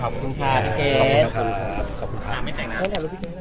ขอบคุณค่ะพี่เกช